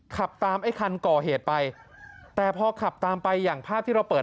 ขับตามไอ้คันก่อเหตุไปแต่พอขับตามไปอย่างภาพที่เราเปิด